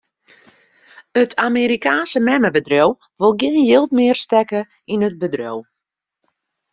It Amerikaanske memmebedriuw wol gjin jild mear stekke yn it bedriuw.